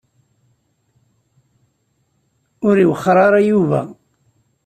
Ur iwexxeṛ ara Yuba.